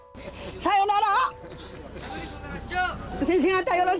さよなら！